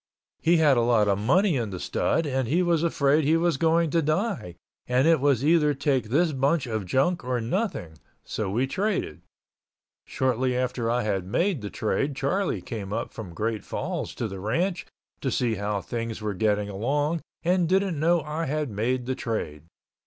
He had a lot of money in the stud and he was afraid he was going to die and it was either take this bunch of junk or nothing, so we traded. Shortly after I had made the trade Charlie came up from Great Falls to the ranch to see how things were getting along and didn't know I had made the trade.